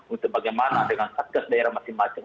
untuk bagaimana dengan satgas daerah masing masing